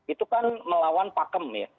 itu kan melawan pakem ya